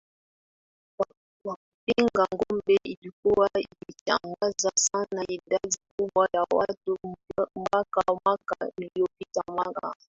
wa kupiga ngoma ilikuwa ikishangaza sana idadi kubwa ya watu mpaka mwaka uliopita mwaka